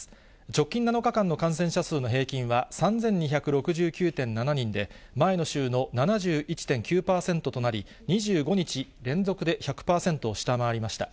直近７日間の感染者数の平均は３２６９．７人で、前の週の７１．９％となり、２５日連続で１００％を下回りました。